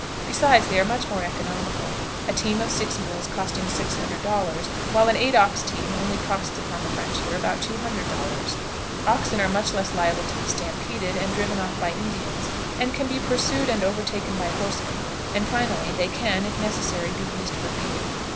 Besides, they are much more economical, a team of six mules costing six hundred dollars, while an eight ox team only costs upon the frontier about two hundred dollars. Oxen are much less liable to be stampeded and driven off by Indians, and can be pursued and overtaken by horsemen; and, finally, they can, if necessary, be used for beef.